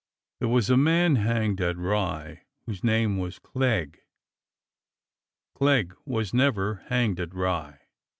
There w^as a man hanged at Rye whose name was Clegg." " Clegg was never hanged at Rye